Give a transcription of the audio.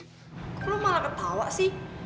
aku lo malah ketawa sih